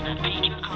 gak aktif ma